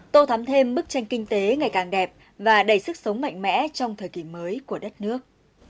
tô thắm thêm bức tranh kinh tế ngày càng đẹp và đầy sức sống mạnh mẽ trong thời kỳ mới của đất nước